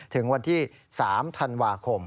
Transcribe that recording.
ถึงวันที่๓ธันวาคม